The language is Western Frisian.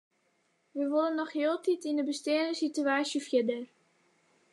Wy wolle noch hieltyd yn de besteande sitewaasje fierder.